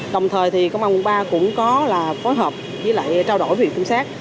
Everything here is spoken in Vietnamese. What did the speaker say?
đồng thời thì công an quận ba cũng có là phối hợp với lại trao đổi với vị trung sát